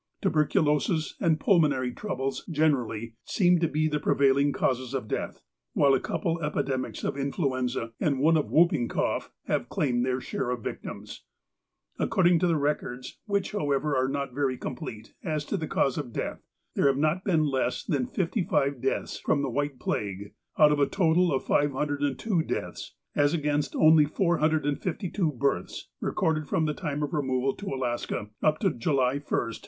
Tuberculosis, aud pulmonary troubles generally, seem to be the pre vailing causes of death, while a couple of epidemics of influenza, and one of whooping cough, have claimed their share of victims. According to the records, which, however, are not very complete as to the cause of death, there have been not less than fifty five deaths from the white plague, out of a total of 502 deaths, as against only 452 births ^ recorded from the time of removal to Alaska up to July 1, 1908.